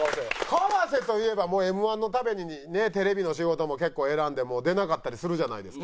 川瀬といえばもうＭ−１のためにテレビの仕事も結構選んで出なかったりするじゃないですか。